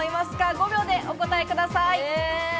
５秒でお答えください。